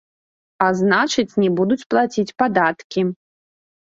А значыць, не будуць плаціць падаткі.